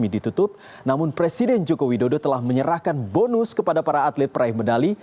ditutup namun presiden joko widodo telah menyerahkan bonus kepada para atlet peraih medali